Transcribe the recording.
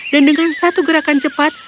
dan dengan satu gerakan cepat